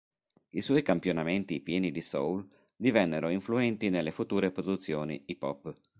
I suoi campionamenti pieni di soul divennero influenti nelle future produzioni hip hop.